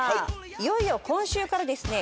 いよいよ今週からですね